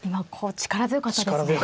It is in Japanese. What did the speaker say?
力強かったですね。